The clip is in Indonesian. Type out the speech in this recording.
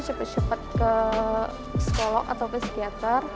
cepet cepet ke psikolog atau ke psikiater